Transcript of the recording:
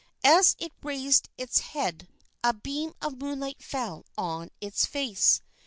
As it raised its head, a beam of moonlight fell on its face.